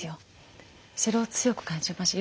それを強く感じました。